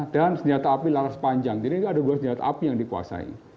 dan senjata api laras panjang jadi ini ada dua senjata api yang dikuasai